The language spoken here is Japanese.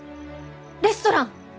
レストラン！